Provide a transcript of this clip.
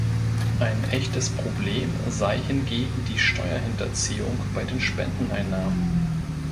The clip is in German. Ein echtes Problem sei hingegen die Steuerhinterziehung bei den Spendeneinnahmen.